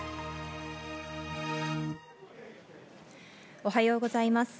おはようございます。